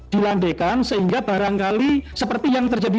dilandaikan sehingga barangkali seperti yang terjadi